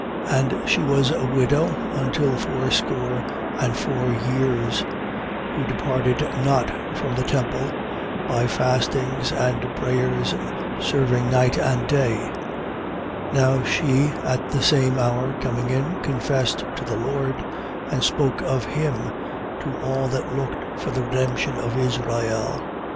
And she was a widow until fourscore and four years: who departed not from the temple, by fastings and prayers serving night and day. 2:38. Now she, at the same hour, coming in, confessed to the Lord: and spoke of him to all that looked for the redemption of Israel. 2:39.